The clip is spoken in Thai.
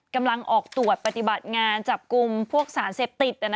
กำลังออกตรวจปฏิบัติงานจับกลุ่มพวกสารเสพติด